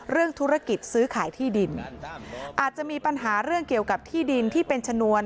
เรื่องธุรกิจซื้อขายที่ดินอาจจะมีปัญหาเรื่องเกี่ยวกับที่ดินที่เป็นชนวน